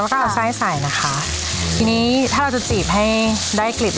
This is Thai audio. แบกสังกรายใสนะคะทีนี้ถ้าเราจะจีบให้ได้กลิ่น